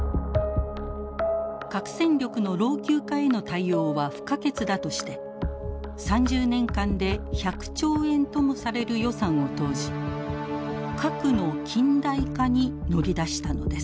核戦力の老朽化への対応は不可欠だとして３０年間で１００兆円ともされる予算を投じ核の近代化に乗り出したのです。